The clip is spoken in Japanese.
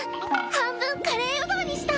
半分カレーうどんにした。